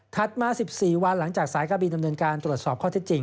มา๑๔วันหลังจากสายการบินดำเนินการตรวจสอบข้อเท็จจริง